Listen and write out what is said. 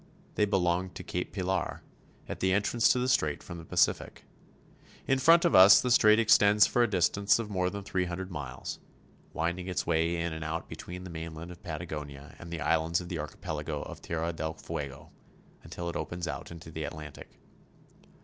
They belong to Cape Pilar, at the entrance to the strait from the Pacific. In front of us the strait extends for a distance of more than three hundred miles, winding its way in and out between the mainland of Patagonia and the islands of the archipelago of Tierra del Fuego, until it opens out into the Atlantic.